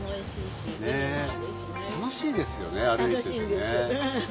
楽しいですよね歩いてて。